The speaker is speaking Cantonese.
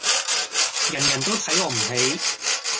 人人都睇我唔起